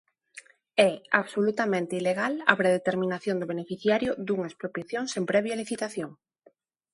É absolutamente ilegal a predeterminación do beneficiario dunha expropiación sen previa licitación.